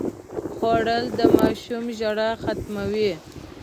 خوړل د ماشوم ژړا ختموي